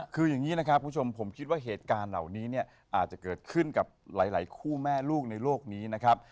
คืออย่างนี้นะครับคุณผู้ชมผมคิดว่าเหตุการณ์เหล่านี้เนี่ยอาจจะเกิดขึ้นกับหลายคู่แม่ลูกในโลกนี้นะครับ